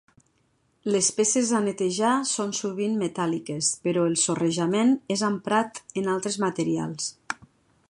Les peces a netejar són sovint metàl·liques però el sorrejament és emprat en altres materials.